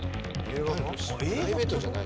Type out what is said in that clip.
プライベートじゃないの？